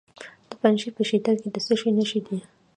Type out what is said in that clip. د پنجشیر په شتل کې د څه شي نښې دي؟